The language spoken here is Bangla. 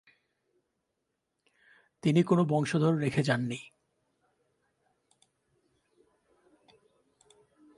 তিনি কোন বংশধর রেখে যাননি।